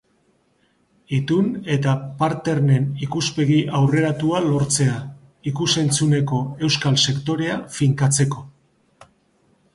Itun eta partern-en ikuspegi aurreratua lortzea, ikus-entzunezko euskal sektorea finkatzeko.